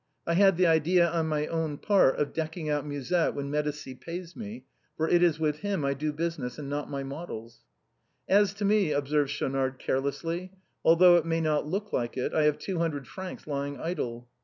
I had the idea, on my own part, of decking out Musette when Medicis pays me, for it is with him I do business and not with my models." " As to me," observed Schaunard, carelessly, " although it may not look like it, I have two hundred francs lying idle."